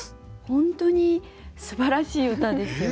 本当にすばらしい歌ですよね。